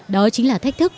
đó chính là thách thức